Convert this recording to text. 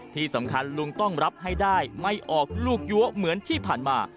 ที่สำคัญลุงต้องรับให้ได้ไม่ออกลูกยั้วเหมือนที่ผ่านมา